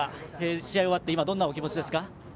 試合終わって今どんなお気持ちですか。